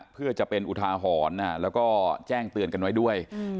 เพื่อจะเป็นอุทาหรณ์แล้วก็แจ้งเตือนกันไว้ด้วย